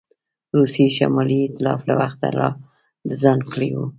روسیې شمالي ایتلاف له وخته لا د ځان کړی وو.